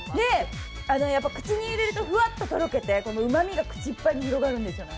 口に入れるとふわっととろけてうまみが口いっぱいに広がるんですよね。